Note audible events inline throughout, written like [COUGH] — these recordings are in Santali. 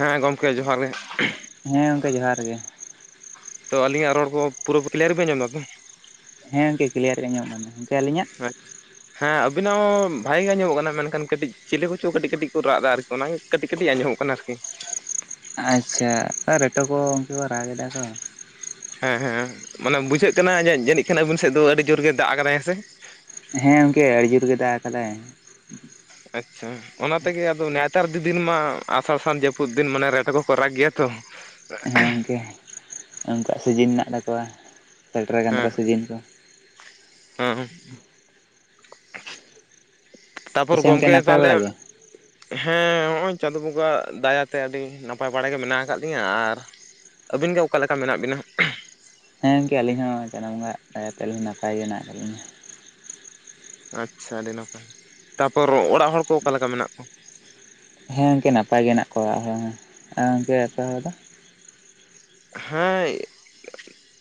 ᱦᱮᱸ ᱜᱚᱢᱠᱮ ᱡᱚᱦᱟᱨ ᱜᱮ ᱾ ᱦᱮᱸ ᱜᱚᱝᱠᱮ ᱡᱚᱦᱟᱨ ᱜᱮ ᱾ ᱛᱚ ᱟᱹᱞᱤᱧᱟᱜ ᱨᱚᱲ ᱠᱚ ᱯᱩᱨᱟᱹ ᱠᱞᱤᱭᱟᱨ ᱵᱤᱱ ᱟᱸᱡᱚᱢ ᱫᱟ ᱛᱚ? ᱦᱮᱸ ᱜᱚᱝᱠᱮ ᱠᱞᱤᱭᱟᱨ ᱜᱮ ᱟᱸᱡᱚᱢᱚᱜ ᱠᱟᱱ ᱛᱟᱵᱤᱱᱟ ᱜᱚᱝᱠᱮ ᱟᱹᱞᱤᱧᱟᱜ? ᱦᱮᱸ ᱟᱵᱤᱱᱟᱜ ᱦᱚᱸ ᱵᱷᱟᱜᱤ ᱜᱮ ᱟᱸᱡᱚᱢᱚᱜ ᱠᱟᱱᱟ ᱢᱮᱱᱠᱷᱟᱱ ᱠᱟᱹᱴᱤᱡ ᱪᱤᱞᱤ ᱠᱚᱪᱚ ᱠᱟᱹᱴᱤᱡ ᱠᱟᱹᱴᱤᱡ ᱠᱚ ᱨᱟᱜ ᱮᱫᱟ ᱟᱨ ᱚᱱᱟᱜᱮ ᱠᱟᱹᱴᱤᱡ ᱠᱟᱹᱴᱤᱡ ᱟᱸᱡᱚᱢᱚᱜ ᱠᱟᱱᱟ ᱟᱨᱠᱤ᱾ ᱟᱪᱪᱷᱟ ᱟᱨ ᱮᱛᱚ ᱠᱚ ᱩᱱᱠᱩ ᱠᱚ ᱨᱟᱜ ᱮᱫᱟ ᱠᱚ᱾ ᱦᱮᱸ ᱦᱮᱸ ᱢᱟᱱᱮ ᱵᱩᱡᱷᱟᱹᱜ ᱠᱟᱱᱟ ᱡᱟᱹ ᱡᱟᱹᱱᱤᱡ ᱠᱷᱟᱱ ᱟᱵᱤᱱ ᱥᱮᱫ ᱫᱚ ᱟᱹᱰᱤ ᱡᱳᱨ ᱜᱮ ᱫᱟᱜ ᱟᱠᱟᱫᱟᱭ ᱦᱮᱸ ᱥᱮ? ᱦᱮᱸ ᱜᱚᱝᱠᱮ ᱟᱹᱰᱤ ᱡᱳᱨ ᱜᱮ ᱫᱟᱜ ᱟᱠᱟᱫᱟᱭ᱾ ᱟᱪᱪᱷᱟ᱾ ᱚᱱᱟ ᱛᱮᱜᱮ ᱟᱫᱚ ᱱᱮᱛᱟᱨ ᱫᱤ-ᱫᱤᱱ ᱢᱟ ᱟᱥᱟᱲ, ᱥᱟᱱ ᱡᱟᱹᱯᱩᱫ ᱫᱤᱱ ᱢᱟᱱᱮ ᱨᱮᱴᱮ ᱠᱚᱠᱚ ᱨᱟᱜ ᱜᱮᱭᱟ ᱛᱚ᱾ [INAUDIBLE] ᱦᱮᱸ ᱜᱚᱝᱠᱮ ᱩᱱᱠᱩᱣᱟᱜ ᱥᱤᱡᱤᱱ ᱢᱮᱱᱟᱜ ᱛᱟᱠᱚᱣᱟ᱾ ᱥᱮᱴᱮᱨ ᱟᱠᱟᱱ ᱦᱮᱸ ᱛᱟᱠᱚᱣᱟ ᱥᱤᱡᱤᱱ ᱠᱚ᱾ ᱦᱮᱸ ᱛᱟᱨᱯᱚᱨ ᱟᱪᱪᱷᱟ ᱜᱚᱝᱠᱮ ᱜᱚᱢᱠᱮ ᱱᱟᱯᱟᱭ ᱵᱟᱲᱟ ᱛᱟᱦᱞᱮ ᱜᱮ ᱦᱮᱸ ᱦᱚᱜ-ᱚᱭ ᱪᱟᱸᱫᱳ ᱵᱚᱸᱜᱟᱣᱟᱜ ᱫᱟᱭᱟᱛᱮ ᱟᱹᱰᱤ ᱱᱟᱯᱟᱭ ᱵᱟᱲᱟᱜᱮ ᱢᱮᱱᱟᱜ ᱟᱠᱟᱫ ᱞᱤᱧᱟᱹ ᱟᱨ ᱟᱹᱵᱤᱱ ᱜᱮ ᱚᱠᱟ ᱞᱮᱠᱟ ᱢᱮᱱᱟᱜ ᱵᱤᱱᱟ? ᱦᱮᱸ ᱜᱚᱝᱠᱮ ᱟᱹᱞᱤᱧ ᱦᱚᱸ ᱪᱟᱸᱫᱚ ᱵᱚᱸᱜᱟᱣᱟᱜ ᱫᱟᱭᱟᱛᱮ ᱟᱞᱤᱧ ᱦᱚᱸ ᱱᱟᱯᱟᱭ ᱜᱮ ᱢᱮᱱᱟᱜ ᱟᱠᱟᱫ ᱞᱤᱧᱟ ᱾ ᱟᱪᱪᱷᱟ ᱟᱹᱰᱤ ᱱᱟᱯᱟᱭ ᱛᱟᱯᱚᱨ ᱚᱲᱟᱜ ᱦᱚᱲ ᱠᱚ ᱚᱠᱟ ᱞᱮᱠᱟ ᱢᱮᱱᱟᱜ ᱠᱚᱣᱟ? ᱦᱮᱸ ᱜᱚᱝᱠᱮ ᱱᱟᱯᱟᱭ ᱜᱮ ᱦᱮᱱᱟᱜ ᱠᱚᱣᱟ ᱟᱨ ᱜᱚᱝᱠᱮ ᱟᱯᱮ ᱠᱚᱫᱚ? ᱦᱮᱸ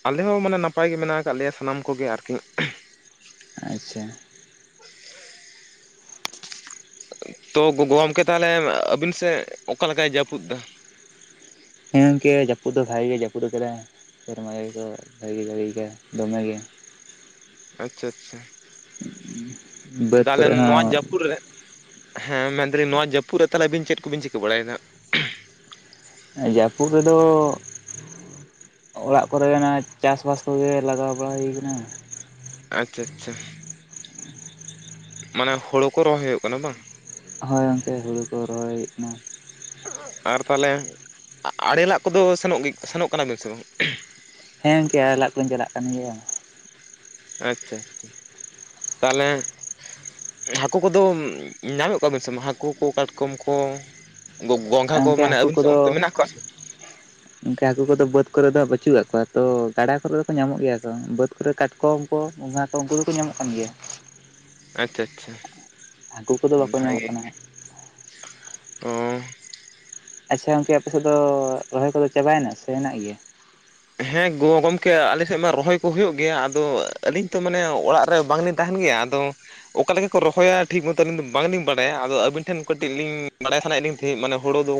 ᱟᱞᱮ ᱦᱚᱸ ᱢᱟᱱᱮ ᱱᱟᱯᱟᱭ ᱜᱮ ᱢᱮᱱᱟᱜ ᱟᱠᱟᱫ ᱞᱮᱭᱟ ᱥᱟᱱᱟᱢ ᱠᱚᱜᱮ ᱟᱨᱠᱤ᱾ ᱟᱪᱪᱷᱟ ᱾ ᱛᱚ ᱜᱚᱼᱜᱚᱢᱠᱮ ᱛᱟᱦᱚᱞᱮ ᱟᱹᱵᱤᱱ ᱥᱮᱫ ᱚᱠᱟ ᱞᱮᱠᱟᱭ ᱡᱟᱹᱯᱩᱫ ᱮᱫᱟ? ᱦᱮᱸ ᱜᱚᱝᱠᱮ ᱡᱟᱹᱯᱩᱫ ᱫᱚ ᱵᱷᱟᱜᱤ ᱜᱮ ᱡᱟᱹᱯᱩᱫ ᱟᱠᱟᱫᱟᱭ ᱥᱮᱨᱢᱟ ᱡᱟᱹᱲᱤ ᱠᱚ ᱵᱷᱟᱜᱮ ᱜᱮ ᱦᱩᱭ ᱟᱠᱟᱱᱟ ᱫᱚᱢᱮ ᱜᱮ ᱾ ᱟᱪᱪᱷᱟ ᱟᱪᱪᱷᱟ᱾ ᱵᱟᱹᱫᱽ ᱛᱟᱦᱚᱞᱮ ᱠᱚᱨᱮ ᱦᱚᱸ ᱱᱚᱣᱟ ᱡᱟᱹᱯᱩᱫ ᱨᱮ ᱦᱮᱸ ᱢᱮᱱᱫᱟᱞᱤᱧ ᱱᱚᱣᱟ ᱡᱟᱹᱯᱩᱫ ᱨᱮ ᱛᱟᱦᱞᱮ ᱟᱹᱵᱤᱱ ᱪᱮᱫ ᱠᱚ ᱵᱤᱱ ᱪᱤᱠᱟᱹ ᱵᱟᱲᱟᱭᱮᱫᱟ? ᱦᱮᱸ ᱡᱟᱹᱯᱩᱫ ᱨᱮᱫᱚ ᱚᱲᱟᱜ ᱠᱚᱨᱮ ᱚᱱᱟ ᱪᱟᱥ ᱵᱟᱥ ᱠᱚᱜᱮ ᱞᱟᱜᱟᱣ ᱵᱟᱲᱟ ᱦᱩᱭ ᱠᱟᱱᱟ ᱾ ᱟᱪᱪᱷᱟ ᱟᱪᱪᱷᱟ᱾ ᱢᱟᱱᱮ ᱦᱳᱲᱳ ᱠᱚ ᱨᱚᱦᱚᱭ ᱦᱩᱭᱩᱜ ᱠᱟᱱᱟ ᱵᱟᱝ? ᱦᱳᱭ ᱜᱚᱝᱠᱮ ᱦᱩᱲᱩ ᱠᱚ ᱨᱚᱦᱚᱭ ᱦᱩᱭᱩᱜ ᱠᱟᱱᱟ᱾ ᱟᱨ ᱛᱟᱦᱚᱞᱮ ᱟ-ᱟᱲᱮ ᱞᱟᱜ ᱠᱚᱫᱚ ᱥᱮᱱᱚᱜ ᱜᱮ ᱥᱮᱱᱚᱜ ᱠᱟᱱᱟ ᱵᱤᱱ ᱥᱮ ᱵᱟᱝ? ᱦᱮᱸ ᱜᱚᱝᱠᱮ ᱟᱲᱮ ᱞᱟᱜ ᱠᱚᱞᱤᱧ ᱪᱟᱞᱟᱜ ᱠᱟᱱ ᱜᱮᱭᱟ ᱾ ᱟᱪᱪᱷᱟ ᱟᱪᱪᱷᱟ ᱛᱟᱦᱚᱞᱮ ᱦᱟᱹᱠᱩ ᱠᱚᱫᱚᱢ ᱧᱟᱢᱮᱫ ᱠᱚᱣᱟᱵᱮᱱ ᱥᱮ ᱵᱟᱝ‌ ᱦᱟᱹᱠᱩ ᱠᱚ ᱠᱟᱴᱠᱚᱢ ᱠᱚ? ᱜᱚᱼᱜᱚᱝᱜᱷᱟ ᱠᱚ ᱢᱟᱱᱮ ᱟᱹᱵᱤᱱ ᱥᱮᱫ ᱚᱱᱛᱮ ᱢᱮᱱᱟᱜ ᱠᱚᱣᱟ ᱥᱮ? [INAUDIBLE] ᱚᱱᱠᱟ ᱦᱟᱹᱠᱩ ᱠᱚᱫᱚ ᱵᱟᱹᱫᱽ ᱠᱚᱨᱮ ᱫᱚ ᱵᱟᱹᱪᱩᱜ ᱠᱟᱫ ᱠᱚᱣᱟ ᱛᱚ ᱜᱟᱰᱟ ᱠᱚᱨᱮ ᱫᱚ ᱠᱚ ᱧᱟᱢᱚᱜ ᱜᱮᱭᱟ ᱠᱚ ᱵᱟᱹᱫᱽ ᱠᱚᱨᱮ ᱠᱟᱴᱠᱚᱢ ᱛᱚ ᱜᱚᱝᱜᱷᱟ ᱠᱚ ᱩᱱᱠᱩ ᱫᱚᱠᱚ ᱧᱟᱢᱚᱜ ᱠᱟᱱ ᱜᱮᱭᱟ᱾ ᱟᱪᱪᱷᱟ ᱟᱪᱪᱷᱟ ᱦᱟᱹᱠᱩ ᱠᱚᱫᱚ ᱵᱟᱠᱚ ᱧᱟᱢᱚᱜ ᱵᱷᱟᱜᱮ ᱠᱟᱱᱟ ᱦᱟᱸᱜ ᱚ ᱟᱪᱪᱷᱟ ᱜᱚᱝᱠᱮ ᱟᱯᱮ ᱥᱮᱫ ᱫᱚ ᱨᱚᱦᱚᱭ ᱠᱚᱫᱚ ᱪᱟᱵᱟᱭᱮᱱᱟ ᱥᱮ ᱢᱮᱱᱟᱜ ᱜᱮᱭᱟ? ᱦᱮᱸ ᱜᱚᱼᱜᱚᱢᱠᱮ ᱟᱞᱮᱥᱮᱫ ᱢᱟ ᱨᱚᱦᱚᱭ ᱠᱚ ᱦᱳᱭᱳᱜ ᱜᱮᱭᱟ ᱟᱫᱚ ᱟᱹᱞᱤᱧ ᱛᱚ ᱢᱟᱱᱮ ᱚᱲᱟᱜ ᱨᱮ ᱵᱟᱝ ᱞᱤᱧ ᱛᱟᱦᱮᱸᱱ ᱜᱮᱭᱟ ᱟᱫᱚ ᱚᱠᱟ ᱞᱮᱠᱟ ᱠᱚ ᱨᱚᱦᱚᱭᱟ ᱴᱷᱤᱠ ᱢᱚᱛᱚ ᱟᱹᱞᱤᱧ ᱫᱚ ᱵᱟᱝ ᱞᱤᱧ ᱵᱟᱲᱟᱭᱟ ᱟᱫᱚ ᱟᱹᱵᱤᱱ ᱴᱷᱮᱱ ᱠᱟᱹᱴᱤᱡ ᱞᱤᱧ ᱵᱟᱲᱟᱭ ᱥᱟᱱᱟᱭᱮᱫ ᱞᱤᱧ ᱴᱷᱮ ᱢᱟᱱᱮ ᱦᱳᱲᱳ ᱫᱳ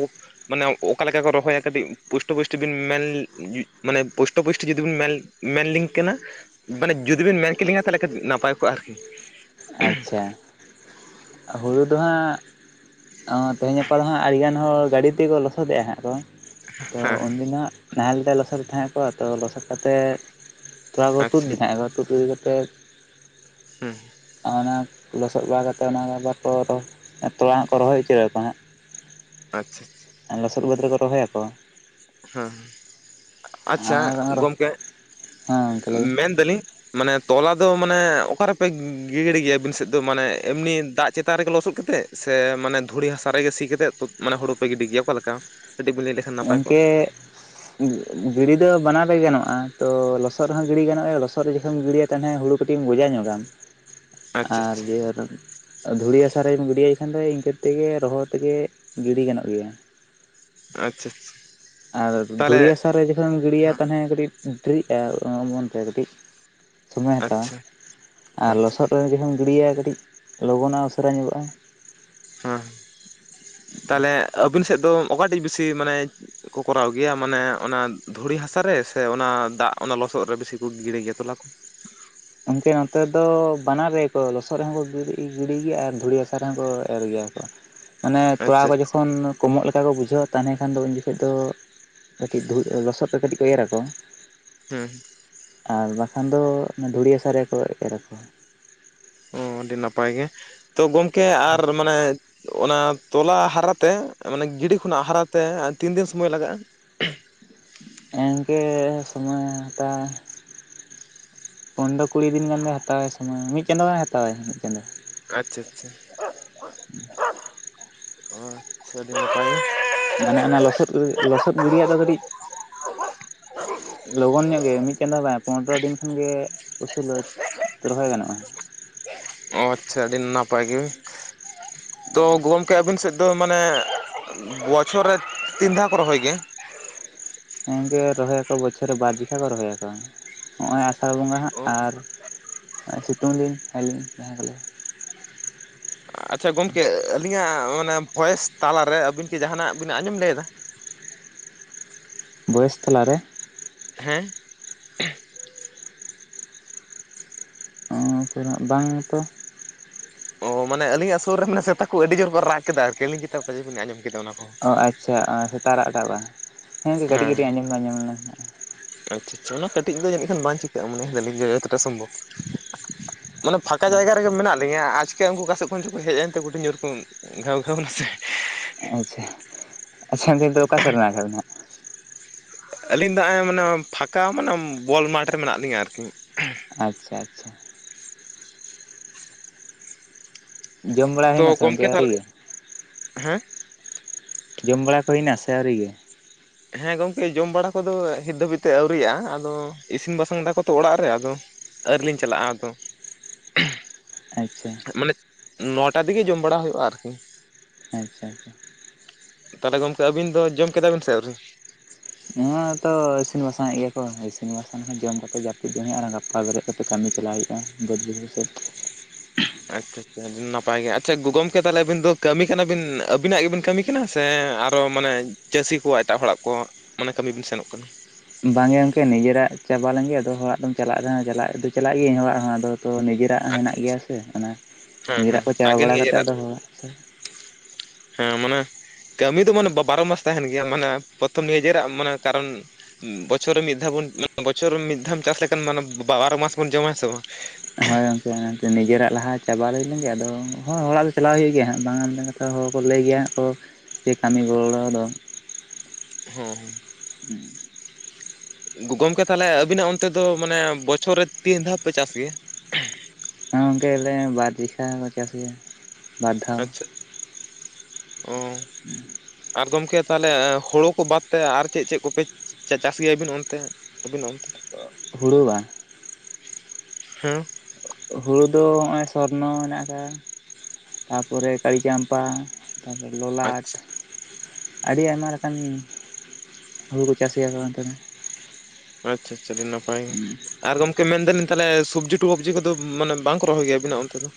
ᱢᱟᱱᱮ ᱚᱠᱟ ᱞᱮᱠᱟ ᱠᱚ ᱨᱚᱦᱚᱭᱟ ᱠᱟᱹᱴᱤᱡ, ᱯᱩᱥᱴᱚ ᱯᱩᱥᱴᱤ ᱵᱤᱱ ᱢᱮᱱ ᱢᱟᱱᱮ ᱯᱳᱥᱴᱚ ᱯᱩᱥᱴᱤ ᱡᱩᱫᱤ ᱵᱮᱱ ᱢᱮᱱ, ᱢᱮᱱ ᱞᱤᱧ ᱠᱟᱱᱟ ᱢᱟᱱᱮ ᱡᱩᱫᱤ ᱵᱮᱱ ᱢᱮᱱ ᱠᱮᱞᱤᱧ ᱟ, ᱛᱟᱦᱚᱞᱮ ᱠᱟᱴᱤᱡ ᱱᱟᱯᱟᱭ ᱠᱚᱜᱼᱟ ᱟᱨᱠᱤ, ᱟᱪᱪᱷᱟ, ᱦᱩᱲᱩ ᱫᱚ ᱦᱟᱸᱜ ᱚ ᱛᱮᱦᱮᱧ ᱜᱟᱯᱟ ᱫᱚ ᱦᱟᱸᱜ, ᱟᱹᱰᱤ ᱜᱟᱱ ᱦᱚᱲ ᱜᱟᱹᱰᱤ ᱛᱮᱠᱚ ᱞᱚᱥᱚᱫᱮᱜᱼᱟ ᱦᱟᱸᱜ ᱠᱚ, ᱛᱚ ᱦᱮᱸ ᱦᱮᱸ ᱩᱱᱫᱤᱱ ᱫᱚ ᱦᱟᱜ ᱱᱟᱦᱮᱞ ᱛᱮ ᱞᱚᱥᱚᱫ ᱛᱟᱦᱮᱸᱫ ᱠᱚ, ᱟᱫ ᱞᱚᱥᱚᱫ ᱠᱟᱛᱮ ᱛᱚᱞᱟᱟ ᱠᱚ ᱛᱩᱫ ᱟᱪᱪᱷᱟ ᱤᱫᱤ ᱛᱟᱦᱮᱸ ᱠᱚ, ᱛᱩᱫ ᱤᱫᱤ ᱠᱟᱛᱮᱫ ᱦᱩᱸ ᱟᱨ ᱚᱱᱟ ᱞᱚᱥᱚᱫ ᱵᱟᱲᱟ ᱠᱟᱛᱮᱫ ᱚᱱᱟ ᱟᱵᱟᱨ ᱠᱚ, ᱛᱚᱞᱟ ᱦᱟᱸᱜ ᱠᱚ ᱨᱚᱦᱚᱭ ᱩᱪᱚᱣᱟ ᱠᱚ ᱦᱟᱸᱜ ᱟᱪᱪᱷᱟ, ᱟᱨ ᱞᱚᱥᱚᱫ ᱵᱟᱹᱫᱽ ᱨᱮᱠᱚ ᱨᱚᱦᱚᱭᱟᱠᱚ᱾ ᱦᱮᱸ, ᱟᱪᱪᱷᱟ, ᱟᱨ ᱜᱚᱢᱠᱮ ᱦᱮᱸ ᱜᱚᱝᱠᱮ ᱞᱟᱹᱭ ᱢᱮᱱᱫᱟᱞᱤᱧ ᱢᱟᱱᱮ ᱛᱚᱞᱟ ᱫᱚ ᱢᱟᱱᱮ ᱚᱠᱟᱨᱮᱯᱮ ᱜᱤᱦᱤᱲ ᱜᱮᱭᱟ ᱟᱵᱤᱱ ᱥᱮᱫ ᱫᱚ, ᱢᱟᱱᱮ ᱮᱢᱱᱤ ᱫᱟᱜ ᱪᱮᱛᱟᱱ ᱨᱮᱜᱮ ᱞᱚᱥᱚᱫ ᱠᱟᱛᱮᱫ? ᱥᱮ ᱢᱟᱱᱮ ᱫᱷᱩᱲᱤ ᱦᱟᱥᱟ ᱨᱮᱜᱮ ᱥᱤ ᱠᱟᱛᱮᱫ, ᱢᱟᱱᱮ ᱦᱩᱲᱩᱯᱮ ᱜᱤᱰᱤ ᱜᱮᱭᱟ? ᱚᱠᱟᱞᱮᱠᱟ ᱠᱟᱹᱴᱤᱡ ᱵᱮᱱ ᱞᱟᱹᱭ ᱞᱮᱠᱷᱟᱱ ᱱᱟᱯᱟᱭ ᱠᱚ ᱮ ᱜᱤᱲᱤ ᱫᱚ ᱵᱟ ᱵᱟᱱᱟᱨ ᱨᱮᱜᱮ ᱜᱟᱱᱚᱜᱼᱟ, ᱛᱚ ᱞᱚᱥᱚᱫ ᱨᱮᱦᱚᱸ ᱜᱤᱲᱤ ᱜᱟᱱᱚᱜᱼᱟ ᱞᱚᱥᱚᱫ ᱨᱮ ᱡᱚᱠᱷᱚᱢ ᱮᱢ ᱜᱤᱲᱤᱭᱟ, ᱛᱟᱦᱞᱮ ᱦᱩᱲᱩ ᱠᱟᱴᱤᱡ ᱮᱢ ᱜᱚᱡᱟ ᱧᱚᱜᱟᱢ᱾ ᱟᱪᱪᱷᱟ ᱟᱨ ᱤᱭᱟᱹ ᱨᱮᱫ ᱟ ᱫᱷᱩᱲᱤ ᱦᱟᱥᱟᱨ ᱨᱮᱢ ᱜᱤᱰᱤᱭᱟᱭ ᱠᱷᱟᱱ ᱫᱚ, ᱤᱱᱠᱟᱹ ᱛᱮᱜᱮ ᱨᱚᱦᱚᱲ ᱛᱮᱜᱮ ᱜᱤᱰᱤ ᱜᱟᱱᱚᱜ ᱜᱮᱭᱟ᱾ ᱟᱪᱪᱷᱟ ᱟᱪᱪᱷᱟ ᱟᱨ ᱛᱟᱦᱚᱞᱮ ᱫᱷᱩᱲᱤ ᱦᱟᱥᱟ -ᱛᱟᱨ ᱨᱮ ᱡᱚᱠᱷᱚᱱᱮᱢ ᱜᱤᱲᱤᱭᱟ ᱛᱟᱦᱮ, ᱠᱟᱹᱴᱤᱡ ᱫᱮᱨᱤᱜᱼᱟ ᱚᱢᱚᱱ ᱛᱮ ᱠᱟᱹᱴᱤᱡ᱾ ᱥᱚᱢᱚᱭᱮ ᱦᱟᱛᱟᱣᱟ, ᱟᱪᱪᱷᱟ ᱟᱨ ᱟᱪᱪᱷᱟ ᱞᱚᱥᱚᱫ ᱨᱮ ᱡᱩᱫᱤᱢ ᱜᱤᱰᱤᱭᱟ ᱠᱟᱹᱴᱤᱡ, ᱞᱚᱜᱚᱱᱚᱜᱮ ᱩᱥᱟᱹᱨᱟ ᱧᱚᱜᱚᱜᱼᱟ᱾ ᱦᱮᱸ, ᱛᱟᱦᱞᱮ ᱟᱹᱵᱤᱱ ᱥᱮᱫ ᱫᱚ ᱚᱠᱟᱴᱤᱡ ᱵᱮᱥᱤ ᱢᱟᱱᱮ ᱠᱚ ᱠᱚᱨᱟᱣ ᱜᱮᱭᱟ, ᱢᱟᱱᱮ ᱚᱱᱟ ᱫᱷᱩᱲᱤ ᱦᱟᱥᱟᱨᱮ ᱥᱮ ᱚᱱᱟ ᱫᱟᱜ ᱚᱱᱟ ᱞᱚᱥᱚᱫ ᱨᱮ ᱵᱮᱥᱤ ᱠᱚ ᱜᱤᱲ ᱜᱮᱭᱟ ᱛᱚᱞᱟ ᱠᱚ? ᱜᱚᱝᱠᱮ ᱱᱚᱛᱮ ᱫᱚ ᱵᱟᱱᱟᱨ ᱨᱮ ᱠᱚ ᱞᱚᱥᱚᱫ ᱨᱮᱦᱚᱸ ᱠᱚ ᱜᱤᱰᱤ ᱜᱮᱭᱟ, ᱟᱨ ᱫᱷᱩᱲᱤ ᱦᱟᱥᱟ ᱨᱮᱦᱚᱸ ᱠᱚ ᱮᱨ ᱜᱮᱭᱟ ᱠᱚ᱾ ᱢᱟᱱᱮ ᱟᱪᱪᱷᱟ ᱛᱚᱞᱟ ᱠᱚ ᱟᱪᱪᱷᱟ ᱡᱚᱠᱷᱚᱱ ᱠᱚᱢᱚᱜ ᱞᱮᱠᱟ ᱠᱚ ᱵᱩᱡᱷᱟᱹᱣᱟ ᱛᱟᱦᱚᱞᱮ ᱠᱷᱟᱱ ᱫᱚ ᱩᱱ ᱡᱚᱠᱷᱚᱱ ᱫᱚ ᱠᱟᱹᱴᱤᱡ ᱫᱷᱩ ᱞᱚᱥᱚᱫ ᱨᱮ ᱠᱟᱹᱴᱤᱡ ᱠᱚ ᱮᱨᱟ ᱟᱠᱚ᱾ ᱦᱚᱸ, ᱟᱨ ᱵᱟᱠᱷᱟᱱ ᱫᱚ ᱫᱷᱩᱲᱤ ᱦᱟᱥᱟ ᱨᱮᱜᱮᱠᱚ ᱮᱨᱟ ᱠᱚ᱾ ᱚ ᱟᱹᱰᱤ ᱱᱟᱯᱟᱭ ᱜᱮ, ᱛᱚ ᱜᱚᱢᱠᱮ ᱟᱨ ᱢᱟᱱᱮ ᱚᱱᱟ ᱛᱚᱞᱟ ᱦᱟᱨᱟᱛᱮ, ᱢᱟᱱᱮ ᱜᱤᱰᱤ ᱠᱷᱚᱱᱟᱜ ᱦᱟᱨᱟᱛᱮ ᱛᱤᱱᱫᱤᱱ ᱥᱚᱢᱚᱭ ᱞᱟᱜᱟᱜᱼᱟ? ᱮᱤᱱᱠᱮ ᱥᱚᱢᱚᱭ ᱦᱟᱛᱟᱣ ᱯᱚᱱᱨᱚ ᱠᱩᱲᱤ ᱫᱤᱱ ᱜᱟᱱ ᱫᱚ ᱦᱟᱛᱟᱣᱟᱭ ᱥᱚᱢᱚᱭ, ᱢᱤᱫ ᱪᱟᱸᱫᱳᱭ ᱦᱟᱛᱟᱣᱟᱭ ᱢᱤᱫ ᱪᱟᱸᱫᱳ᱾ ᱟᱹᱪᱪᱷᱟ ᱟᱹᱪᱪᱷᱟ [UNINTELLIGIBLE] ᱢᱟᱱᱮ ᱚᱱᱟ ᱞᱚᱥᱚᱫ ᱞᱚᱥᱚᱫ ᱜᱤᱰᱤᱭᱟᱜ ᱫᱚ ᱠᱟᱹᱴᱤᱡ ᱞᱚᱜᱚᱱ ᱧᱚᱜ ᱜᱮ, ᱢᱤᱫ ᱪᱟᱹᱫᱚ ᱵᱟᱭ ᱯᱚᱱᱨᱚ ᱫᱤᱱ ᱠᱷᱟᱱᱜᱮ ᱩᱥᱩᱞᱟᱹ᱾ ᱨᱚᱦᱚᱭ ᱜᱟᱱᱚᱜᱼᱟ᱾ ᱚ ᱟᱪᱪᱷᱟ ᱟᱹᱰᱤ ᱱᱟᱯᱟᱭ ᱜᱤ᱾ ᱛᱚ ᱜᱚᱢᱠᱮ ᱟᱵᱤᱱ ᱥᱮᱫ ᱫᱚ ᱢᱟᱱᱮ, ᱵᱚᱪᱷᱚᱨ ᱨᱮ ᱛᱤᱱ ᱫᱷᱟᱣ ᱠᱚ ᱨᱚᱦᱚᱭ ᱜᱮᱭᱟ? ᱦᱮᱸ ᱜᱚᱢᱠᱮ ᱨᱚᱦᱚᱭ ᱟᱠᱚ, ᱵᱚᱪᱷᱚᱨ ᱨᱮ ᱵᱟᱨ ᱡᱤᱠᱷᱟ ᱠᱚ ᱨᱚᱦᱚᱭᱟᱠᱚ᱾ ᱦᱚᱜᱼᱚᱭ ᱟᱥᱟᱲ ᱵᱚᱸᱜᱟ ᱦᱟᱸᱜ, ᱟᱨ ᱥᱤᱛᱩᱝ ᱫᱤᱱ ᱟᱞᱤᱧ [UNINTELLIGIBLE] ᱟᱪᱪᱷᱟ ᱜᱚᱢᱠᱮ, ᱟᱹᱞᱤᱧᱟᱜ ᱢᱟᱱᱮ ᱵᱷᱚᱭᱮᱥ ᱛᱟᱞᱟᱨᱮ, ᱟᱹᱵᱤᱱ ᱠᱤ ᱡᱟᱦᱟᱱᱟᱜ ᱵᱤᱱ ᱟᱸᱡᱚᱢ ᱞᱟᱹᱭᱮᱫᱟ? ᱵᱷᱚᱭᱮᱥ ᱛᱟᱞᱟᱨᱮ? ᱦᱮᱸ, ᱚ ᱠᱤᱱᱟᱜ ᱵᱟᱝ ᱛᱚ᱾ ᱳ ᱢᱟᱱᱮ ᱟᱹᱞᱤᱧᱟᱜ ᱥᱩᱨ ᱨᱮᱱᱟ ᱥᱮᱛᱟ ᱠᱚ, ᱟᱹᱰᱤ ᱡᱳᱨ ᱠᱚ ᱨᱟᱜ ᱠᱮᱫᱟ ᱟᱨᱠᱤ, ᱟᱹᱤᱧ ᱪᱮᱛᱟ ᱯᱟᱪᱮ ᱵᱤᱱ ᱟᱡᱚᱢ ᱠᱮᱫᱟ ᱚᱱᱟ ᱠᱚ᱾ ᱚ ᱟᱪᱪᱷᱟ ᱥᱮᱛᱟᱜ ᱨᱟᱫᱟ ᱵᱟ, ᱦᱮᱸᱮ ᱠᱟᱹᱴᱤᱡ ᱦᱮᱸ ᱠᱟᱹᱴᱤᱡ ᱟᱸᱡᱚᱢ ᱫᱚ ᱟᱹᱡᱚᱢ ᱱᱟ᱾ ᱟᱪᱪᱷᱟ ᱟᱪᱷᱟ ᱚᱱᱟ ᱠᱟᱹᱴᱤᱡ ᱫᱚ ᱡᱟᱹᱱᱤᱡ ᱠᱷᱟᱱ ᱵᱟᱝ ᱪᱤᱠᱟᱹᱜᱼᱟ ᱢᱚᱱᱮ ᱫᱟᱞᱤᱧ ᱡᱚᱛᱚᱴᱟ ᱥᱚᱢᱵᱷᱚᱵ, ᱢᱟᱱᱮ ᱯᱷᱟᱸᱠᱟ ᱡᱟᱭᱜᱟ ᱨᱮᱜᱮ ᱢᱮᱱᱟᱜ ᱞᱤᱧᱟᱹ ᱟᱪᱠᱟ ᱩᱱᱠᱩ ᱚᱠᱟ ᱥᱮᱫ ᱠᱷᱚᱱ ᱪᱚᱠᱚ ᱦᱮᱡ ᱮᱱᱛᱮ ᱠᱩᱴᱷᱤᱱ ᱡᱳᱨ ᱠᱚ ᱜᱷᱮᱣ ᱜᱷᱮᱣ ᱱᱟᱥᱮ, ᱟᱪᱪᱷᱟ ᱟᱪᱪᱷᱟ ᱱᱤᱛ ᱫᱚ ᱚᱠᱟ ᱥᱮᱫ ᱢᱮᱱᱟᱜ ᱟᱠᱟᱫ ᱵᱤᱱᱟᱹ? ᱟᱹᱞᱤᱧ ᱫᱚ ᱱᱟᱜᱼᱟᱭ ᱢᱟᱱᱮ ᱯᱷᱟᱸᱠᱟ ᱢᱟᱱᱮ ᱵᱚᱞ ᱢᱟᱴᱷ ᱨᱮ ᱢᱮᱱᱟᱜ ᱞᱤᱧᱟ ᱟᱨᱠᱤ, ᱟᱪᱪᱷᱟ ᱟᱪᱪᱷᱟ ᱾ ᱡᱚᱢ ᱵᱟᱲᱟ ᱛᱚ ᱦᱩᱭᱱᱟ ᱥᱮ ᱜᱚᱢᱠᱮ ᱜᱚᱝᱠᱮ ᱛᱟᱦᱚᱞᱮ ᱟᱹᱣᱨᱤᱜᱮ ᱦᱮᱸ, ᱡᱚᱢ ᱵᱟᱲᱟ ᱠᱚ ᱦᱩᱭᱱᱟ ᱥᱮ ᱟᱹᱣᱨᱤ ᱜᱮ? ᱦᱮᱸ ᱜᱚᱝᱠᱮ ᱡᱚᱢ ᱵᱟᱲᱟ ᱠᱚᱫᱚ ᱦᱤᱛ ᱫᱷᱟᱹᱵᱤᱡ ᱛᱮ ᱟᱹᱣᱨᱤᱜᱼᱟ ᱟᱫᱚ ᱤᱥᱤᱱ ᱵᱟᱥᱟᱝ ᱫᱟᱠᱚ ᱛᱚ ᱚᱲᱟᱜ ᱨᱮ ᱟᱫᱚ ᱟᱹᱣᱨᱤᱞᱤᱧ ᱪᱟᱞᱟᱜᱼᱟ ᱟᱛᱚ, [UNINTELLIGIBLE] ᱢᱟᱱᱮ ᱱᱚᱴᱟ ᱛᱮᱜᱮ ᱡᱚᱢ ᱵᱟᱲᱟ ᱦᱩᱭᱩᱜᱼᱟ ᱟᱨᱠᱤ, ᱟᱪᱪᱷᱟ ᱟᱪᱪᱷᱟ᱾ ᱛᱟᱦᱚᱞᱮ ᱜᱚᱢᱠᱮ ᱟᱵᱤᱱ ᱫᱚ ᱡᱚᱢ ᱠᱮᱫᱟ ᱵᱤᱱ ᱥᱮ ᱟᱹᱣᱨᱤ? ᱱᱚᱣᱟᱛᱚ ᱤᱥᱤᱱ ᱵᱟᱥᱟᱝ ᱮᱫ ᱜᱮᱭᱟᱠᱚ ᱤᱥᱤᱱ ᱵᱟᱥᱟᱝ ᱦᱚᱸ ᱡᱚᱢ ᱠᱟᱛᱮ ᱡᱟᱹᱯᱤᱫ ᱡᱚᱢ ᱦᱩᱭᱩᱜᱼᱟ ᱟᱨ ᱜᱟᱯᱟ ᱵᱮᱨᱮᱫ ᱠᱟᱛᱮ ᱠᱟᱹᱢᱤ ᱪᱟᱞᱟᱣ ᱦᱩᱭᱩᱜᱼᱟ᱾ [UNINTELLIGIBLE] ᱟᱪᱪᱷᱟ ᱱᱟᱯᱟᱭ ᱜᱮ ᱟᱪᱪᱷᱟ ᱜᱚ ᱜᱚᱢᱠᱮ ᱛᱟᱦᱚᱞᱮ ᱟᱹᱵᱤᱱ ᱫᱚ ᱠᱟᱹᱢᱤ ᱠᱟᱱᱟᱵᱤᱱ ᱟᱹᱵᱤᱱᱟᱜ ᱜᱮᱵᱤᱱ ᱠᱟᱹᱢᱤ ᱠᱟᱱᱟ ᱥᱮ ᱟᱨᱚ ᱢᱟᱱᱮ ᱪᱟᱹᱥᱤ ᱠᱚ ᱮᱴᱟᱜ ᱦᱚᱲᱟᱜ ᱠᱚ ᱢᱟᱱᱮ ᱠᱟᱹᱢᱤ ᱵᱤᱱ ᱥᱮᱱᱚᱜ ᱠᱟᱱᱟ, ᱵᱟᱝᱮ ᱜᱚᱝᱠᱮ ᱱᱤᱡᱮᱨᱟᱜ ᱪᱟᱵᱟ ᱞᱮᱱᱜᱮ ᱟᱫᱚ ᱦᱚᱲᱟᱜ ᱫᱚᱢ ᱪᱟᱞᱟᱜᱼᱟᱜ ᱪᱟᱞᱟᱜ ᱜᱤᱭᱟᱹ ᱤᱧ ᱦᱚᱲᱟᱜ ᱦᱚᱸ ᱟᱫᱚ ᱱᱤᱡᱮ ᱫᱟᱜ ᱟᱪᱪᱷᱟ ᱦᱮᱱᱟᱜ ᱟᱪᱪᱷᱟ ᱜᱮᱭᱟ ᱥᱮ ᱚᱱᱟ ᱦᱮᱸ ᱦᱮᱸ ᱱᱤᱡᱮᱨᱟᱜ ᱠᱚ ᱪᱟᱵᱟ ᱟᱜᱮ ᱵᱟᱲᱟ ᱱᱤᱭᱟᱹ ᱠᱟᱛᱮᱫ ᱡᱮᱨᱟᱜ ᱟᱫᱚ ᱦᱚᱲ ᱦᱮᱸ ᱢᱟᱱᱮ ᱠᱟᱹᱢᱤ ᱫᱚ ᱢᱟᱱᱮ ᱵᱟᱨᱚ ᱢᱟᱥ ᱛᱟᱦᱮᱱ ᱜᱮᱭᱟ ᱢᱟᱱᱮ ᱯᱨᱚᱛᱷᱚᱢ ᱱᱤᱡᱮᱨᱟᱜ ᱢᱟᱱᱮ ᱠᱟᱨᱚᱱ ᱵᱚᱪᱷᱚᱨ ᱨᱮ ᱢᱤᱫ ᱫᱷᱟᱣ ᱵᱚᱱ ᱵᱚᱪᱷᱚᱨ ᱢᱤᱫ ᱫᱷᱟᱣ ᱮᱢ ᱪᱟᱥ ᱞᱮᱠᱷᱟᱱ ᱢᱟᱱᱮ ᱵᱟᱨᱚ ᱢᱟᱥ ᱵᱚᱱ ᱡᱚᱢᱟ ᱦᱮ ᱥᱮ ᱵᱟᱝ? ᱦᱳᱭ ᱜᱚᱝᱠᱮ ᱱᱤᱡᱮᱨᱟᱜ ᱞᱟᱦᱟ ᱪᱟᱵᱟ ᱦᱩᱭ ᱞᱮᱱᱜᱮ ᱟᱫᱚ ᱦᱳᱭ ᱦᱚᱲᱟᱜ ᱫᱚ ᱪᱟᱞᱟᱜ ᱦᱩᱭᱩᱜ ᱜᱮᱭᱟ ᱦᱟᱜ ᱵᱟᱝ ᱮᱢ ᱡᱚᱛᱚ ᱦᱚᱲ ᱠᱚ ᱞᱟᱹᱭ ᱜᱮᱭᱟ ᱠᱚ ᱡᱮ ᱠᱟᱹᱢᱤ ᱜᱚᱲᱚ ᱫᱚ, ᱦᱚ ᱦᱩ ᱾ ᱜᱚᱢᱠᱮ ᱛᱟᱦᱚᱞᱮ ᱟᱵᱤᱱᱟᱜ ᱚᱱᱛᱮ ᱫᱚ ᱢᱟᱱᱮ ᱵᱚᱪᱷᱚᱨ ᱨᱮ ᱛᱤᱱ ᱫᱷᱟᱣ ᱯᱮ ᱪᱟᱥ ᱜᱮᱭᱟ᱾ ᱦᱮ ᱜᱚᱝᱠᱮ ᱞᱮ ᱵᱟᱨ ᱞᱮᱜᱷᱟ ᱠᱚ ᱪᱟᱥ ᱜᱮᱭᱟ ᱵᱟᱨ ᱫᱷᱟᱣ, ᱟᱪᱪᱷᱟ ᱚ ᱟᱨ ᱜᱚᱢᱠᱮ ᱛᱟᱦᱚᱞᱮ ᱦᱳᱲᱳ ᱠᱚ ᱵᱟᱫ ᱛᱮ ᱟᱨ ᱪᱮᱫ ᱪᱮᱫ ᱠᱚᱯᱮ ᱪᱟᱥ ᱜᱮᱭᱟᱵᱤᱱ ᱚᱱᱛᱮ ᱟᱹᱵᱤᱱ ᱚᱱᱛᱮ? ᱦᱩᱲᱩ ᱵᱟᱝ? ᱦᱮᱸ᱾ ᱦᱩᱲᱩ ᱫᱚ ᱱᱚᱜᱼᱚᱭ ᱥᱚᱨᱱᱚ ᱦᱮᱱᱟᱜ ᱟᱠᱟᱜ-ᱟ ᱛᱟᱯᱚᱨᱮ ᱠᱟᱲᱤ ᱪᱟᱢᱯᱟ, ᱛᱟᱨᱯᱚᱨᱮ ᱞᱚᱞᱟᱴ, ᱟᱪᱪᱷᱟ ᱟᱹᱰᱤ ᱟᱭᱢᱟ ᱞᱮᱠᱟᱱ ᱦᱩᱲᱩ ᱠᱚ ᱪᱟᱹᱟᱥᱭᱟᱠᱚ ᱚᱱᱛᱮ ᱫᱚ, ᱟᱪᱪᱷᱟ ᱟᱪᱪᱷᱟ ᱟᱹᱰᱤ ᱱᱟᱯᱟᱭ᱾ ᱟᱨ ᱜᱚᱢᱠᱮ ᱢᱮᱱᱫᱟᱞᱤᱧ ᱥᱚᱵᱽᱡᱤ ᱴᱩᱼᱴᱚᱵᱡᱤ ᱠᱚᱫᱚ ᱢᱟᱱᱮ ᱵᱟᱝᱠᱚ ᱨᱚᱦᱚᱭ ᱜᱮᱭᱟ ᱟᱵᱤᱱᱟᱜ ᱚᱱᱛᱮ ᱫᱚ?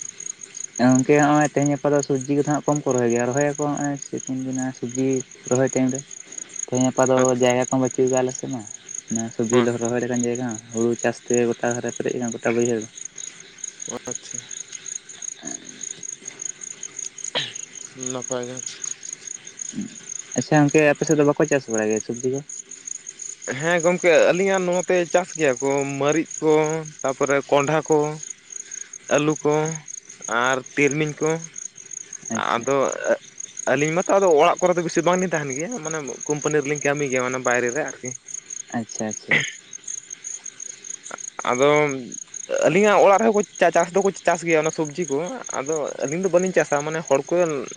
ᱜᱚᱝᱠᱮ ᱦᱚᱸᱜᱼᱚᱭ ᱛᱮᱦᱮᱧ ᱜᱟᱯᱟ ᱫᱚ ᱥᱚᱵᱽᱡᱤ ᱠᱚᱫᱚ ᱦᱟᱜ ᱠᱚᱢ ᱠᱚ ᱨᱚᱦᱚᱭ ᱜᱮᱭᱟ ᱨᱚᱦᱚᱭᱟᱠᱚ ᱦᱚᱸᱜᱼᱚᱭ ᱥᱮᱠᱤᱱ ᱫᱤᱱᱟᱥ ᱥᱚᱵᱡᱤ ᱨᱚᱦᱚᱭ ᱴᱟᱭᱤᱢ ᱨᱮ᱾ ᱛᱮᱦᱮᱧ ᱜᱟᱯᱟ ᱫᱚ ᱟᱪᱪᱷᱟ ᱦᱮᱸ ᱡᱟᱭᱜᱟ ᱠᱚᱦᱚᱸ ᱵᱟᱹᱪᱩᱜᱫᱟ ᱟᱞᱮᱥᱮᱜ ᱢᱟ ᱥᱚᱵᱡᱤ ᱞᱮ ᱨᱚᱦᱚᱭ ᱞᱮᱠᱟᱱ ᱡᱟᱭᱜᱟ ᱦᱩᱲᱩ ᱪᱟᱥᱛᱮ ᱜᱚᱴᱟ ᱫᱷᱟᱨᱮ ᱯᱮᱨᱮᱡ ᱟᱠᱟᱱᱟ ᱜᱚᱴᱟ ᱵᱟᱹᱭᱦᱟᱹᱲ, ᱚ ᱟᱪᱪᱷᱟ᱾ ᱱᱟᱯᱟᱭ ᱜᱮ᱾ ᱟᱪᱪᱷᱟ ᱜᱚᱝᱠᱮ ᱟᱯᱮᱥᱮᱫ ᱵᱟᱠᱚ ᱪᱟᱥ ᱵᱟᱲᱟᱭ ᱜᱮᱭᱟ ᱥᱚᱵᱽᱡᱤ ᱠᱚ? ᱦᱮᱸ ᱜᱚᱝᱠᱮ ᱟᱹᱞᱤᱧᱟᱜ ᱱᱚᱛᱮ ᱪᱟᱥ ᱜᱮᱭᱟ ᱠᱚ ᱢᱟᱹᱨᱤᱪ ᱠᱚ ᱛᱟᱯᱚᱨᱮ ᱠᱚᱸᱰᱷᱟ ᱠᱚ, ᱟᱹᱞᱩ ᱠᱚ, ᱟᱨ ᱛᱤᱞᱢᱤᱧ ᱠᱚ ᱟᱪᱪᱷᱟ ᱟᱫᱚ ᱟᱹᱞᱤᱧ ᱢᱟᱛᱚ ᱟᱫᱚ ᱚᱲᱟᱜ ᱠᱚᱨᱮᱫ ᱫᱚ ᱵᱤᱥᱤ ᱵᱟᱝᱞᱤᱧ ᱛᱟᱦᱮᱱ ᱜᱮᱭᱟ ᱢᱟᱱᱮ ᱠᱳᱢᱯᱟᱱᱤ ᱨᱮᱞᱤᱧ ᱠᱟᱹᱢᱤ ᱜᱮᱭᱟ ᱢᱟᱱᱮ ᱵᱟᱭᱨᱮ ᱨᱮ ᱾ [UNINTELLIGIBLE] ᱟᱪᱪᱷᱟ ᱟᱪᱪᱷᱟ ᱾ ᱟᱫᱚ ᱟᱹᱞᱤᱧᱟᱜ ᱚᱲᱟᱜ ᱨᱮᱦᱚᱸ ᱠᱚ ᱪᱟᱥ ᱫᱚᱠᱚ ᱪᱟᱥ ᱜᱮᱭᱟ ᱚᱱᱟ ᱥᱚᱵᱽᱡᱤ ᱠᱚ, ᱟᱫᱚ ᱟᱹᱞᱤᱧ ᱫᱚ ᱵᱟᱹᱞᱤᱧ ᱪᱟᱥᱟ ᱢᱟᱱᱮ ᱦᱚᱲ ᱠᱚ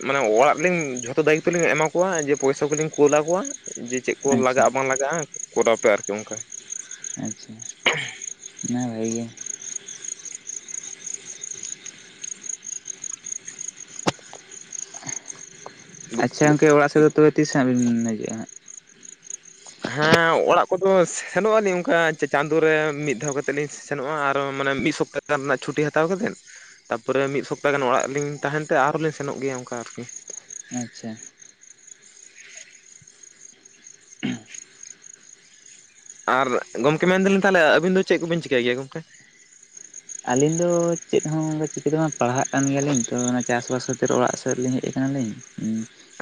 ᱢᱟᱱᱮ ᱚᱲᱟᱜ ᱨᱮᱞᱤᱧ ᱡᱷᱚᱛᱚ ᱫᱟᱭᱤᱛᱛᱚ ᱞᱤᱧ ᱮᱢᱟ ᱠᱚᱣᱟ ᱡᱮ ᱯᱚᱭᱥᱟ ᱠᱚᱞᱤᱧ ᱠᱩᱞ ᱟᱠᱚᱣᱟ ᱡᱮ ᱪᱮᱫ ᱠᱚ ᱟᱪᱪᱷᱟ ᱞᱟᱜᱟᱜᱼᱟ ᱵᱟᱝ ᱞᱟᱜᱟᱜᱼᱟ ᱠᱚᱨᱟᱣ ᱯᱮ ᱟᱨᱠᱤ ᱚᱱᱠᱟ ᱾ ᱟᱪᱪᱷᱟ ᱾ ᱚᱱᱟ ᱦᱚᱸ ᱵᱷᱟᱜᱮ ᱜᱮ ᱾ ᱟᱪᱪᱷᱟ ᱜᱚᱢᱠᱮ ᱚᱲᱟᱜ ᱥᱮᱫ ᱫᱚ ᱛᱚᱵᱮ ᱛᱤᱥ ᱦᱟᱸᱜ ᱵᱮᱱ ᱦᱤᱡᱩᱜ-ᱟ ᱦᱟᱸᱜ? ᱦᱮᱸ ᱚᱲᱟᱜ ᱠᱚᱫᱚ ᱥᱮᱱᱚᱜᱼᱟᱞᱤᱤᱧ ᱚᱱᱠᱟ ᱪᱟᱸᱫᱳ ᱨᱮ ᱢᱤᱫ ᱫᱷᱟᱣ ᱠᱟᱛᱮᱫ ᱞᱤᱧ ᱥᱮᱱᱚᱜᱼᱟ ᱟᱨᱚ ᱢᱟᱱᱮ ᱢᱤᱫ ᱥᱚᱯᱛᱟ ᱜᱟᱱ ᱨᱮᱱᱟᱜ ᱪᱷᱩᱴᱤ ᱦᱟᱛᱟᱣ ᱠᱟᱛᱮᱫ ᱾ ᱛᱟᱯᱚᱨᱮ ᱢᱤᱫ ᱥᱚᱯᱛᱟ ᱜᱟᱱ ᱚᱲᱟᱜ ᱨᱮᱞᱤᱧ ᱛᱟᱦᱮᱱ ᱛᱮ ᱟᱨᱦᱚᱸ ᱞᱤᱧ ᱥᱮᱱᱚᱜ ᱜᱮᱭᱟ ᱚᱱᱠᱟ ᱟᱨᱠᱤ ᱾ ᱟᱪᱪᱷᱟ ᱾ ᱟᱨ ᱜᱚᱢᱠᱮ ᱢᱮᱱ ᱫᱟᱞᱤᱧ ᱛᱟᱦᱚᱞᱮ ᱟᱹᱵᱤᱱ ᱫᱚ ᱪᱮᱫ ᱠᱚᱵᱤᱱ ᱪᱤᱠᱟᱹᱭ ᱜᱮᱭᱟ ᱜᱚᱢᱠᱮ? ᱟᱹᱞᱤᱧ ᱫᱚ ᱪᱮᱫ ᱦᱚᱸ ᱚᱱᱠᱟ ᱪᱤᱠᱟᱹ ᱫᱚ ᱦᱟᱜᱸ ᱯᱟᱲᱦᱟᱜ ᱠᱟᱱ ᱜᱮᱭᱟᱞᱤᱧ ᱛᱚ ᱚᱱᱟ ᱪᱟᱥᱵᱟᱥ ᱠᱷᱟᱹᱛᱤᱨ ᱚᱲᱟᱜ ᱥᱮᱫ ᱞᱤᱧ ᱦᱮᱡ ᱟᱠᱟᱱᱟ ᱞᱤᱧ ᱾ ᱩᱸ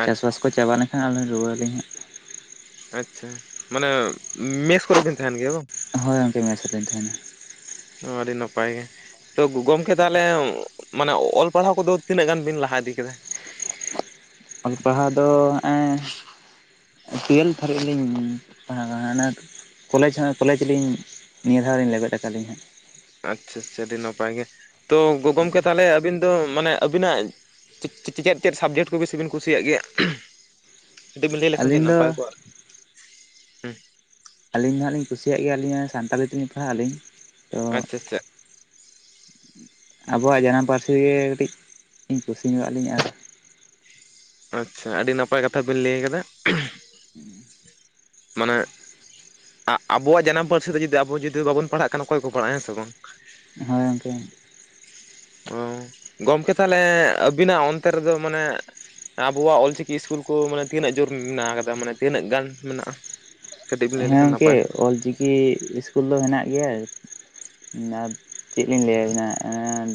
ᱪᱟᱥ ᱟᱪᱪᱷᱟ ᱵᱟᱥ ᱠᱚ ᱪᱟᱵᱟ ᱞᱮᱱᱠᱷᱟᱱ ᱟᱨ ᱞᱤᱧ ᱨᱩᱣᱟᱹᱲ ᱟᱹᱞᱤᱧ ᱦᱟᱸᱜ ᱾ ᱟᱪᱪᱷᱟ, ᱢᱟᱱᱮ ᱢᱮᱥ ᱠᱚᱨᱮ ᱵᱮᱱ ᱛᱟᱦᱮᱱ ᱜᱮᱭᱟ ᱵᱟᱝ? ᱦᱳᱭ ᱜᱚᱢᱠᱮ ᱢᱮᱥ ᱨᱮᱞᱤᱧ ᱛᱟᱦᱮᱱᱟ ᱾ ᱚ ᱟᱹᱰᱤ ᱱᱟᱯᱟᱭ ᱜᱮ ᱾ ᱛᱚ ᱜᱚᱢᱠᱮ ᱛᱟᱦᱚᱞᱮ ᱢᱟᱱᱮ ᱚᱞ ᱯᱟᱲᱦᱟᱣ ᱠᱚᱫᱚ ᱛᱤᱱᱟᱹᱜ ᱜᱟᱱ ᱵᱤᱱ ᱞᱟᱦᱟ ᱤᱫᱤ ᱠᱮᱫᱟ? [INAUDIBLE] ᱚᱞ ᱯᱟᱲᱦᱟᱣ ᱫᱚ ᱦᱮᱸᱜ-ᱮ ᱴᱩᱭᱮᱞᱵᱽ ᱫᱷᱟᱹᱨᱤᱡ ᱞᱤᱧ ᱯᱟᱲᱦᱟᱣ [UNINTELLIGIBLE] ᱠᱚᱞᱮᱡᱽ ᱦᱟᱸᱜ ᱠᱚᱞᱮᱡᱽ ᱞᱤᱧ ᱱᱤᱭᱟᱹ ᱫᱷᱟᱣ ᱞᱤᱧ ᱞᱮᱵᱮᱫ ᱟᱠᱟᱫ ᱞᱤᱧ ᱦᱟᱸᱜ ᱾ ᱟᱪᱪᱷᱟ ᱟᱪᱪᱷᱟ ᱟᱹᱰᱤ ᱱᱟᱯᱟᱭ ᱜᱮ, ᱛᱚ ᱜᱚ ᱜᱚᱢᱠᱮ ᱛᱟᱦᱚᱞᱮ ᱟᱹᱵᱤᱱ ᱫᱚ ᱢᱟᱱᱮ ᱟᱹᱵᱤᱱᱟᱜ ᱪᱮ ᱪᱮᱫ ᱪᱮᱫ ᱥᱟᱵᱡᱮᱠᱴ ᱠᱚ ᱵᱮᱥᱤ ᱵᱤᱱ ᱠᱩᱥᱤᱭᱟᱜ ᱜᱮᱭᱟ? ᱠᱟᱹᱴᱤᱡ ᱵᱤᱱ ᱞᱟᱹᱭ ᱞᱮᱠᱷᱟᱱ ᱟᱹᱰᱤ ᱟᱹᱞᱤᱧ ᱫᱚ ᱱᱟᱯᱟᱭ ᱠᱚᱜᱼᱟ ᱟᱨᱠᱤ? ᱟᱹᱞᱤᱧ ᱱᱟᱦᱟᱜ ᱞᱤᱧ ᱠᱩᱤᱭᱟᱜ ᱜᱮᱭᱟ ᱞᱤᱧ ᱥᱟᱱᱛᱟᱲᱤ ᱛᱮᱞᱤᱧ ᱯᱟᱲᱦᱟᱜ ᱟᱹᱞᱤᱧ ᱾ ᱟᱪᱪᱷᱟ ᱟᱪᱪᱷᱟ ᱾ ᱟᱵᱚᱣᱟᱜ ᱡᱟᱱᱟᱢ ᱯᱟᱹᱨᱥᱤ ᱜᱮ ᱠᱟᱹᱴᱤᱡ ᱤᱧ ᱠᱩᱥᱤ ᱧᱚᱜ-ᱟ ᱞᱤᱧ ᱟᱨ ᱟᱪᱪᱷᱟ ᱟᱹᱰᱤ ᱱᱟᱯᱟᱭ ᱠᱟᱛᱷᱟ ᱵᱤᱱ ᱞᱟᱹᱭ ᱟᱠᱟᱫᱟ ᱢᱟᱱᱮ ᱟ ᱟᱵᱚᱣᱟᱜ ᱡᱟᱱᱟᱢ ᱯᱟᱹᱨᱥᱤ ᱛᱮ ᱡᱩᱫᱤ ᱟᱵᱚ ᱡᱩᱫᱤ ᱵᱟᱵᱚᱱ ᱯᱟᱲᱦᱟᱜ ᱠᱷᱟᱱ ᱚᱠᱚᱭ ᱠᱚ ᱯᱟᱲᱦᱟᱜᱼᱟ ᱦᱮᱸ ᱥᱮ ᱵᱟᱝ? ᱦᱳᱭ ᱜᱚᱝᱠᱮ ᱾ [UNINTELLIGIBLE] ᱚ, ᱜᱚᱢᱠᱮ ᱛᱟᱦᱚᱞᱮ ᱟᱹᱵᱤᱱᱟᱜ ᱚᱱᱛᱮ ᱨᱮᱫᱚ ᱢᱟᱱᱮ ᱟᱵᱚᱣᱟᱜ ᱚᱞᱪᱤᱠᱤ ᱤᱥᱠᱩᱞ ᱠᱚ ᱢᱟᱱᱮ ᱛᱤᱱᱟᱹᱜ ᱡᱳᱨ ᱢᱮᱱᱟᱜ ᱟᱠᱟᱫᱟ ᱢᱟᱱᱮ ᱛᱤᱱᱟᱹᱜ ᱜᱟᱱ ᱢᱮᱱᱟᱜᱼᱟ? ᱠᱟᱹᱴᱤᱡ ᱵᱤᱱ ᱞᱟᱹᱭ ᱦᱮᱸ ᱞᱮᱠᱷᱟᱱ ᱜᱚᱝᱠᱮ ᱱᱟᱯᱟᱭ ᱠᱚᱜᱼᱟ ᱚᱞᱪᱤᱠᱤ ᱤᱥᱠᱩᱞ ᱫᱚ ᱦᱮᱱᱟᱜ ᱜᱮᱭᱟ ᱾ ᱟᱨ ᱪᱮᱫ ᱞᱤᱧ ᱞᱟᱹᱭᱟ ᱵᱤᱱᱟ ᱮᱸᱫ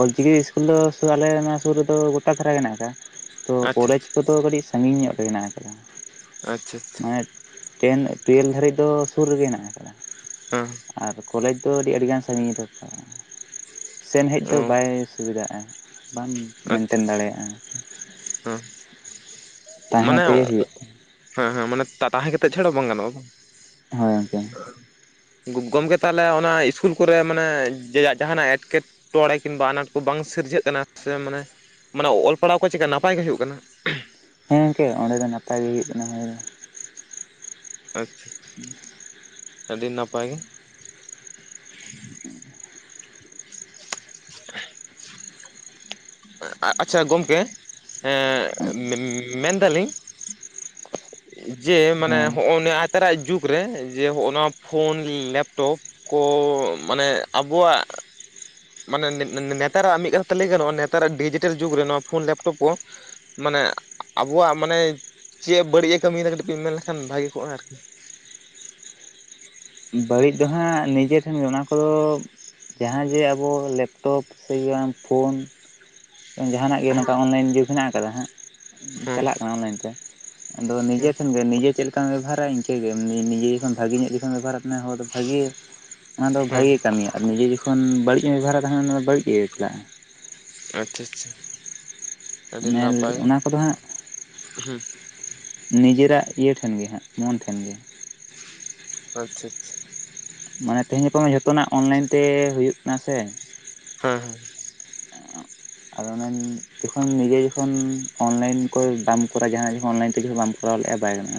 ᱚᱞᱪᱤᱠᱤ ᱤᱥᱠᱩᱞ ᱫᱚ [UNINTELLIGIBLE] ᱟᱞᱮ ᱱᱚᱣᱟ ᱥᱩᱨ ᱨᱮᱫᱚ ᱜᱚᱴᱟ ᱫᱷᱟᱨᱟ ᱜᱮ ᱦᱮᱱᱟᱜ ᱟᱠᱟᱜᱼᱟ ᱾ ᱛᱚ ᱟᱪᱪᱷᱟ ᱠᱚᱞᱮᱡᱽ ᱠᱚᱫᱚ ᱠᱟᱹᱴᱤᱡ ᱥᱟᱺᱜᱤᱧ ᱧᱚᱜ ᱨᱮ ᱦᱮᱱᱟᱜ ᱟᱠᱟᱫᱟ ᱾ ᱟᱪᱪᱷᱟ ᱟᱪᱪᱷᱟ ᱾ ᱟᱪ ᱴᱮᱱ ᱴᱩᱭᱮᱞ ᱫᱷᱟᱹᱨᱤᱡ ᱫᱚ ᱥᱩᱨ ᱨᱮᱜᱮ ᱦᱮᱱᱟᱜ ᱟᱠᱟᱫᱟ ᱾ ᱦᱮᱸ᱾ ᱟᱨ ᱠᱚᱞᱮᱡᱽ ᱫᱚ ᱟᱹᱰᱤ ᱟᱹᱰᱤᱜᱟᱱ ᱥᱟᱺᱜᱤᱧᱨᱮ ᱛᱟᱦᱮ-ᱟ ᱥᱮᱱᱦᱮᱡ ᱦᱮᱸ ᱚ ᱫᱚ ᱵᱟᱭ ᱥᱩᱵᱤᱫᱷᱟᱜᱼᱟ᱾ ᱵᱟᱢ ᱟᱪᱪᱷᱟ ᱢᱮᱱᱴᱮᱱ ᱫᱟᱲᱮᱭᱟᱜᱼᱟ᱾ ᱦᱮᱸ ᱛᱟᱦᱮᱸ ᱢᱟᱱᱮ ᱛᱮᱜᱮ ᱦᱩᱭᱩᱜ ᱦᱮᱸ ᱦᱮᱸ ᱢᱟᱱᱮ ᱛᱟ-ᱛᱟᱦᱮᱸ ᱠᱟᱛᱮᱜ ᱪᱷᱟᱲᱟ ᱵᱟᱝ ᱜᱟᱱᱚᱜᱼᱟ ᱵᱟᱝ᱾ ᱛᱟᱢᱟ᱾ ᱦᱳᱭ ᱜᱚᱝᱠᱮ ᱜᱚᱢᱠᱮ ᱛᱟᱦᱚᱞᱮ ᱚᱱᱟ ᱤᱥᱠᱩᱞ ᱠᱚᱨᱮ ᱢᱟᱱᱮ ᱡᱮ ᱡᱟᱦᱟᱱᱟᱜ ᱮᱴᱠᱮᱴᱚ ᱴᱚᱲᱮ ᱠᱤᱢᱵᱟ ᱟᱱᱟᱴ ᱠᱚ ᱵᱟᱝ ᱥᱤᱨᱡᱟᱹᱜ ᱠᱟᱱᱟ ᱥᱮ ᱢᱟᱱᱮ ᱢᱟᱱᱮ ᱚᱞ ᱯᱟᱲᱦᱟᱣ ᱠᱚ ᱪᱤᱠᱠᱟ ᱱᱟᱯᱟᱭ ᱜᱮ ᱦᱩᱭᱩᱜ ᱠᱟᱱᱟ? ᱦᱮᱸ ᱜᱚᱝᱠᱮ ᱚᱸᱰᱮ ᱫᱚ ᱱᱟᱯᱟᱭ ᱜᱮ ᱦᱩᱭᱩᱜ ᱠᱟᱱᱟ ᱦᱳᱭ᱾ ᱟᱪᱪᱷᱟ ᱟᱹᱰᱤ ᱱᱟᱯᱟᱭ ᱜᱮ᱾᱾ [UNINTELLIGIBLE] ᱟ-ᱟᱪᱪᱷᱟ ᱜᱚᱢᱠᱮᱸ ᱮᱜ‌ ᱢᱮ-ᱢᱮᱱᱫᱟᱞᱤᱧ [INAUDIBLE] ᱡᱮ ᱢᱟᱱᱮ ᱦᱮᱸ ᱦᱚᱜᱼᱚ ᱱᱮᱛᱟᱨᱟᱜ ᱡᱩᱜᱽ ᱨᱮ ᱡᱮ ᱦᱚᱜᱼᱚ ᱱᱚᱣᱟ ᱯᱷᱳᱱ ᱞᱮᱯᱴᱚᱯ ᱠᱚ ᱢᱟᱱᱮ ᱟᱵᱚᱣᱟᱜ ᱢᱟᱱᱮ ᱱᱮ-ᱱᱮᱛᱟᱨᱟᱜ ᱢᱤᱫ ᱠᱟᱛᱷᱟ ᱛᱮ ᱞᱟᱹᱭ ᱜᱟᱱᱚᱜᱼᱟ ᱱᱮᱛᱟᱨᱟᱜ ᱰᱤᱡᱤᱴᱮᱞ ᱡᱩᱜᱽ ᱨᱮ ᱱᱚᱣᱟ ᱯᱷᱳᱱ ᱞᱮᱯᱴᱚᱯ ᱠᱚ ᱢᱟᱱᱮ ᱟᱵᱚᱣᱟᱜ ᱢᱟᱱᱮ ᱪᱮᱜ ᱮ ᱵᱟᱹᱲᱤᱡ ᱮ ᱠᱟᱹᱢᱤᱭᱮᱫᱟ ᱠᱟᱹᱴᱤᱡ ᱵᱤᱱ ᱢᱮᱱ ᱞᱠᱷᱟᱱ ᱵᱷᱟᱜᱤ ᱠᱚᱜᱼᱟ ᱟᱨᱠᱤ᱾ ᱵᱟᱹᱲᱤᱡ ᱫᱚᱦᱟᱸᱜ ᱱᱤᱡᱮ ᱴᱷᱮᱱ ᱜᱮ ᱚᱱᱟ ᱠᱚᱫᱚ ᱡᱟᱦᱟᱸ ᱡᱮ ᱟᱵᱚ ᱞᱮᱯᱴᱚᱯ ᱥᱮ ᱜᱮ ᱵᱟᱝ ᱯᱷᱳᱱ ᱡᱟᱦᱟᱱᱟᱜ ᱜᱮ ᱦᱮᱸ ᱱᱚᱝᱠᱟ ᱚᱱᱞᱟᱭᱤᱱ ᱡᱩᱜᱽ ᱦᱮᱱᱟᱜ ᱠᱟᱫᱟ ᱦᱟᱸᱜ᱾ ᱦᱮᱸ ᱪᱟᱞᱟᱜ ᱠᱟᱱᱟ ᱢᱮᱱ ᱛᱮ ᱟᱫᱚ ᱦᱮᱸ ᱱᱤᱡᱮ ᱴᱷᱮᱱᱜ ᱱᱤᱡᱮ ᱪᱮᱫ ᱵᱮᱵᱷᱟᱨᱟ ᱤᱱᱠᱟᱹᱜᱮ ᱱᱤ-ᱱᱤᱡᱮ ᱡᱚᱠᱷᱚᱱ ᱵᱷᱟᱜᱮ ᱧᱚᱜ ᱡᱚᱠᱷᱚᱱ ᱵᱮᱵᱷᱟᱨ ᱠᱟᱟ ᱦᱚᱲ ᱫᱚ ᱵᱷᱟᱜᱮ ᱚᱱᱟ ᱫᱚ ᱦᱮᱸ ᱵᱷᱟᱜᱮ ᱠᱟᱹᱢᱤᱭᱟ ᱟᱨ ᱱᱤᱡᱮ ᱡᱚᱠᱷᱚᱱ ᱵᱟᱹᱲᱤᱡ ᱮᱢ ᱵᱮᱵᱷᱟᱨᱟ ᱛᱟᱦᱮᱱᱟ ᱚᱱᱟ ᱫᱚ ᱵᱟᱹᱲᱤᱡ ᱜᱮ ᱪᱟᱞᱟᱜᱼᱟ᱾ ᱟᱪᱪᱷᱟ ᱟᱪᱪᱷᱟ ᱟᱹᱰᱤ ᱱᱟᱯᱟᱭ᱾ ᱚᱱᱟ ᱠᱚᱫᱚ ᱦᱟᱸᱜ ᱦᱩᱸ᱾ ᱱᱤᱡᱮᱨᱟᱜ ᱤᱭᱟᱹ ᱴᱷᱮᱱᱜᱮ ᱦᱟᱸᱜ ᱢᱚᱱ ᱴᱷᱮᱱᱜᱮ᱾ ᱟᱪᱪᱷᱟ ᱟᱪᱪᱷᱟ᱾ ᱢᱟᱱᱮ ᱛᱮᱦᱮᱧ ᱷᱟᱯᱟ ᱢᱟ ᱡᱷᱚᱛᱚᱱᱟᱜ ᱚᱱᱞᱟᱭᱤᱱ ᱛᱮ ᱦᱩᱭᱩᱜ ᱠᱟᱱᱟ ᱥᱮ᱾ ᱦᱮᱸ ᱦᱮᱸ᱾ ᱟᱨ ᱚᱱᱮᱧ ᱡᱚᱠᱷᱚᱱ ᱱᱤᱡᱮ ᱠᱷᱚᱱ ᱚᱱᱞᱟᱭᱤᱱ ᱠᱚ ᱫᱟᱱ ᱠᱚᱨᱟ ᱡᱟᱦᱟ ᱡᱮᱠᱷᱚᱱ ᱚᱱᱞᱟᱭᱤᱱ ᱛᱮ ᱡᱚᱠᱷᱚᱱ ᱵᱟᱢ ᱠᱚᱨᱟᱣ ᱞᱮᱜ-ᱟ ᱵᱟᱭ ᱜᱟᱱᱚᱜ-ᱟ᱾